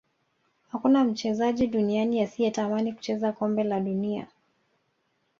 hakuna mchezaji duniani asiyetamani kucheza kombe la dunia